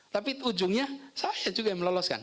tapi ujungnya saya juga yang meloloskan